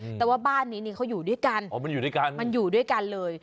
เพราะว่าบ้านนี้เนี่ยเขาอยู่ด้วยกันมันอยู่ด้วยกันเลย